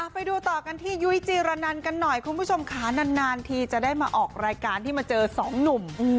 ไปดูต่อกันที่ยุ้ยจีรนันกันหน่อยคุณผู้ชมค่ะนานทีจะได้มาออกรายการที่มาเจอสองหนุ่ม